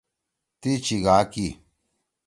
تی چیِگا کی۔